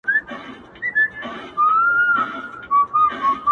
په یو ترڅ کي یې ترې وکړله پوښتنه-